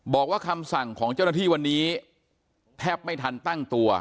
คำสั่งของเจ้าหน้าที่วันนี้แทบไม่ทันตั้งตัว